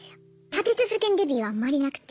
立て続けにデビューはあんまりなくて。